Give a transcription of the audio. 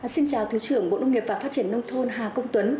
xin chào thứ trưởng bộ nông nghiệp và phát triển nông thôn hà công tuấn